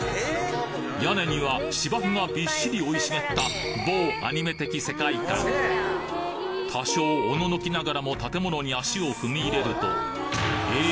屋根には芝生がびっしり生い茂った某アニメ的世界観多少おののきながらも建物に足を踏み入れるとえ！